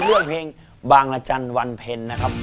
เลือกเพลงบางรจันวันเพลงนะครับ